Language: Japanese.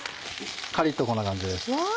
カリっとこんな感じです。